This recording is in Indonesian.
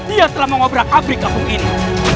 ia telah mengobrak api kampung ini